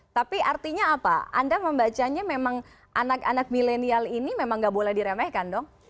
tapi artinya apa anda membacanya memang anak anak milenial ini memang nggak boleh diremehkan dong